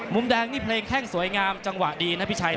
มุมแดงนี่เพลงแข้งสวยงามจังหวะดีนะพี่ชัย